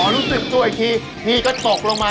รู้สึกตัวอีกทีพี่ก็ตกลงมา